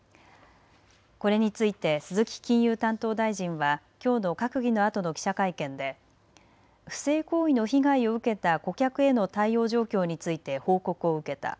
これについて鈴木金融担当大臣はきょうの閣議のあとの記者会見で不正行為の被害を受けた顧客への対応状況について報告を受けた。